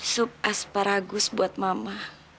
sup asparagus buat mama